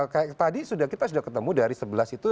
kayak tadi kita sudah ketemu dari sebelas itu